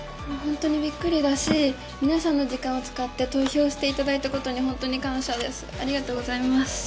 本当にびっくりだし、皆さんの時間を使って投票していただいたことに本当に感謝です、ありがとうございます。